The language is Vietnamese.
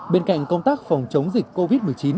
bên cạnh công tác phòng chống dịch covid một mươi chín